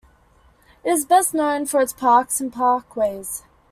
It is best known for its parks and parkways.